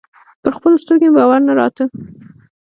پر خپلو سترګو مې باور نه راته.